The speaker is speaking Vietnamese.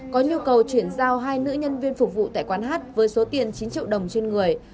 có nhu cầu chuyển giao hai nữ nhân viên phục vụ tại quán hát với số tiền chín triệu đồng trên người